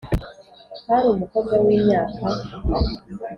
Hari umukobwa w imyaka